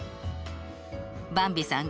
ばんびさん